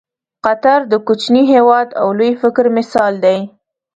قطر د کوچني هېواد او لوی فکر مثال دی.